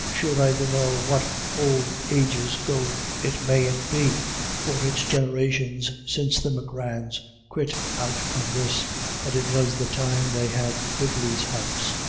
Sure I dunno what 176 IRISH IDYLLS. ould ages ago it mayn't be, for it's generations since the Macrans quit out of this, and it was the time they had the Quigleys' house.